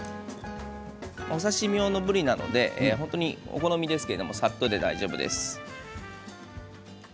お刺身用のぶりなので本当にお好みですけどさっとで大丈夫です。